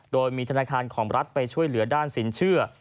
โดยมีธนาคารของรัฐไปช่วยเหลือด้านสินเชื่อ